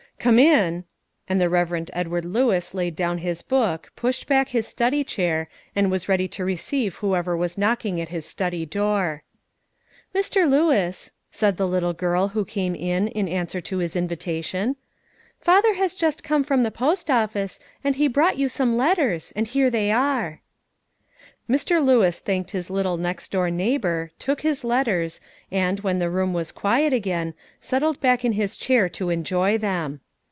"Come in;" and the Rev. Edward Lewis laid down his book, pushed back his study chair, and was ready to receive whoever was knocking at his study door. "Mr. Lewis," said the little girl who came in in answer to his invitation, "father has just come from the post office, and he brought you some letters, and here they are." Mr. Lewis thanked his little next door neighbour, took his letters, and, when the room was quiet again, settled back in his chair to enjoy them.